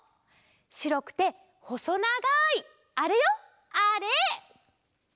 しろくてほそながいあれよあれ！